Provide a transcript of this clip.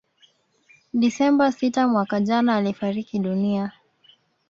Desemba sita mwaka jana alifariki dunia